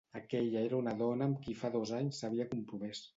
Aquella era la dona amb qui fa dos anys s’havia compromés.